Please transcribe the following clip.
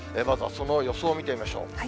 まずはその予想を見てみましょう。